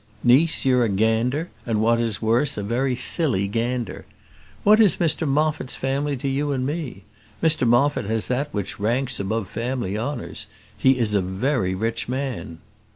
"Niece, you're a gander; and what is worse, a very silly gander. What is Mr Moffat's family to you and me? Mr Moffat has that which ranks above family honours. He is a very rich man."